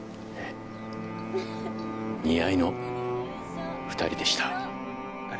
似合いの２人でした。